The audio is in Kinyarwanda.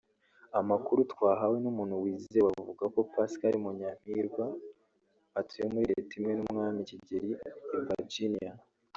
Amakuru twahawe n’umuntu wizewe avuga ko Pascal Munyampirwa atuye muri Leta imwe n’Umwami Kigeli i Virginia